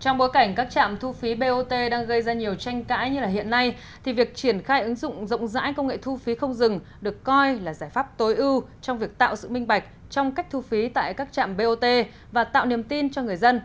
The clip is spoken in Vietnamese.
trong bối cảnh các trạm thu phí bot đang gây ra nhiều tranh cãi như hiện nay thì việc triển khai ứng dụng rộng rãi công nghệ thu phí không dừng được coi là giải pháp tối ưu trong việc tạo sự minh bạch trong cách thu phí tại các trạm bot và tạo niềm tin cho người dân